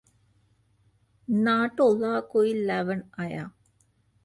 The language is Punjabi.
ਨਾ ਢੋਲਾ ਕੋਈ ਲੈਵਣ ਆਇਆ